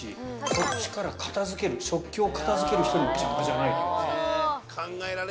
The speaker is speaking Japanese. そっちから食器を片付ける人にも邪魔じゃないという。